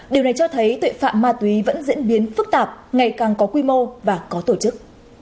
điều này cho thấy tội phạm ma túy vẫn diễn biến phức tạp ngày càng có quy mô và có tổ chức